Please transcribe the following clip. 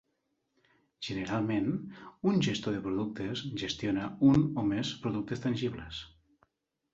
Generalment, un gestor de productes gestiona un o més productes tangibles.